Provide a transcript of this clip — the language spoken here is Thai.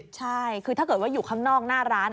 ใช่คือถ้าเกิดว่าอยู่ข้างนอกหน้าร้าน